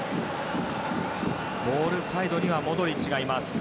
ボールサイドにはモドリッチ。